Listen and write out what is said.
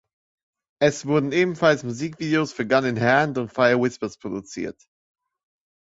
Es wurden ebenfalls Musikvideos für "Gun in Hand" und "Fire Whispers" produziert.